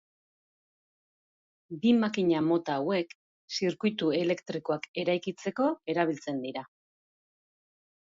Bi makina mota hauek, zirkuitu elektrikoak eraikitzeko erabiltzen dira.